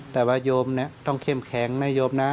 แต่ว่าโยมต้องเข้มแข็งนะโยมนะ